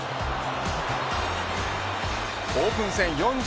オープン戦